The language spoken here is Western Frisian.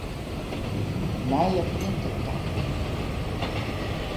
Nije printer tafoegje.